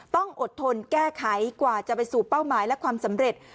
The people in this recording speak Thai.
ต้องอดทนแก้ไขกว่าจะไปสู่เป้าหมายและความสำเร็จ